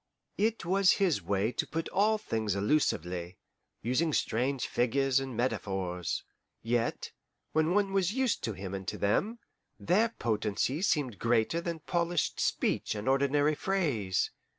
It was his way to put all things allusively, using strange figures and metaphors. Yet, when one was used to him and to them, their potency seemed greater than polished speech and ordinary phrase.